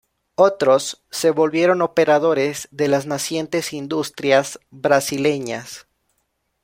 Otros, se volvieron operadores de las nacientes industrias brasileñas.